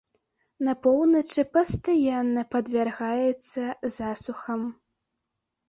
На поўначы пастаянна падвяргаецца засухам.